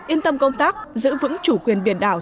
yên tâm công tác giữ vững chủ quyền biển đảo